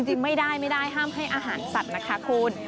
จริงไม่ได้ไม่ได้ห้ามให้อาหารสัตว์นะคะคุณ